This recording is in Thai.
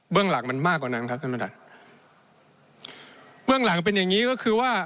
เรื่องหลังมันมากกว่านั้นครับท่านประธานเบื้องหลังเป็นอย่างงี้ก็คือว่า